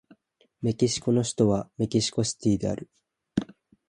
メキシコの首都はメキシコシティである